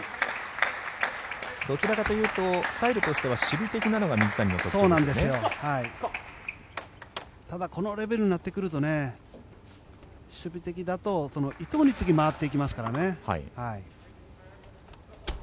どちらかというとスタイルとしては守備的なのがただこのレベルになってくると守備的だと伊藤に次は回ってきますからね。